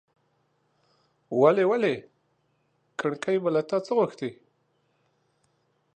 ولي! ولي! کڼکۍ به له تا څه غوښتاى ،